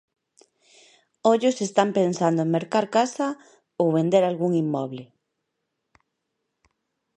Ollo se están pensando en mercar casa, ou vender algún inmoble.